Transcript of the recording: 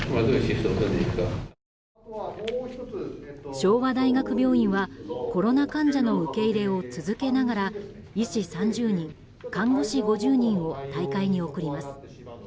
昭和大学病院は、コロナ患者の受け入れを続けながら医師３０人、看護師５０人を大会に送ります。